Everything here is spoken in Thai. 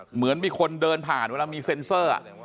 เหมือนมีคนเดินผ่านเวลามีเซ็นเซอร์